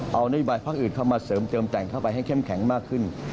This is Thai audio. เอานโยบายภาคอื่นเข้ามาเสริมเติมแต่งเข้าไปให้เข้มแข็งมากขึ้น